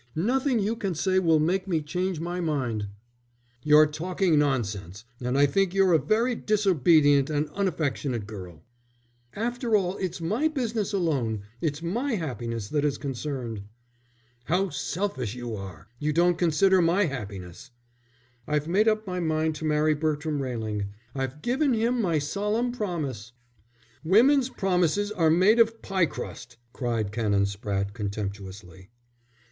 Nothing you can say will make me change my mind." "You're talking nonsense, and I think you're a very disobedient and unaffectionate girl." "After all, it's my business alone. It's my happiness that is concerned." "How selfish you are! You don't consider my happiness." "I've made up my mind to marry Bertram Railing. I've given him my solemn promise." "Women's promises are made of pie crust," cried Canon Spratte, contemptuously.